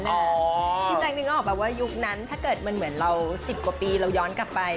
นั้นแสดงด้วยนึงออกแบบว่ายุคนั้นถ้าเกิดมันเหมือนเรา๑๐กว่าปีเราย้อนกลับไป